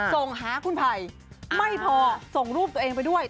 ส่งหาคุณไผ่ไม่พอส่งรูปตัวเองไปด้วย